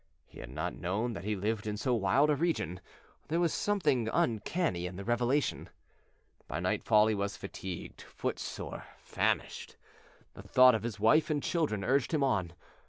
He had not known that he lived in so wild a region. There was something uncanny in the revelation. By nightfall he was fatigued, footsore, famishing. The thought of his wife and children urged him on.